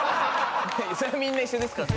それはみんな一緒です。